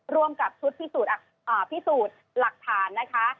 ร่วมกับชุดพิสูจน์หลักฐานนะคะ